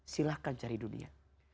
silahkan cari dunia